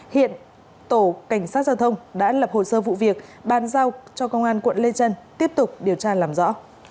hiện tổ cảnh sát giao thông đã lập hồ sơ vụ việc bàn giao cho công an quận lê trân tiếp tục điều tra làm rõ